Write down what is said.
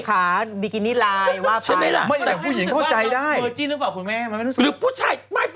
ขาบีกินิลายว่าไป